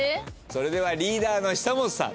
それではリーダーの久本さん